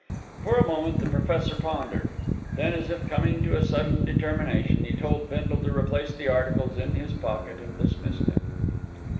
For a moment the Professor pondered; then, as if coming to a sudden determination, he told Bindle to replace the articles in his pocket, and dismissed him.